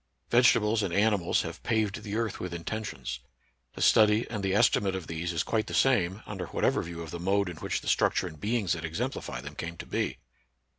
Vegetables and animals have paved the earth with inten tions. The study and the estimate of these is quite the same, under whatever view of the mode in which the structures and beings that exemplify them came to be.